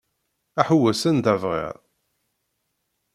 Aḥewwes anda bɣiɣ.